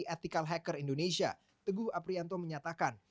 ethical hacker indonesia teguh aprianto menyatakan